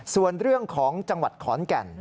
ส่วนเรื่องของจังหวัดขอนแก่น